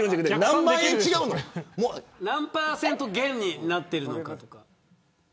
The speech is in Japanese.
何％減になってるのか。